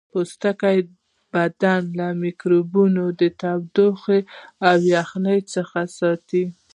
پوستکی بدن له میکروبونو تودوخې او یخنۍ څخه ساتي